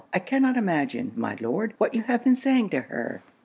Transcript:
I cannot imagine, my Lord, what you have been saying to her?'